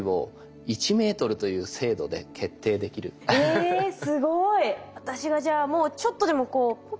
えすごい。